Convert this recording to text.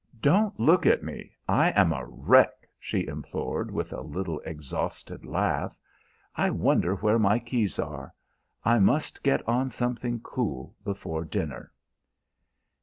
"Don't look at me; I am a wreck!" she implored, with a little exhausted laugh. "I wonder where my keys are? I must get on something cool before dinner."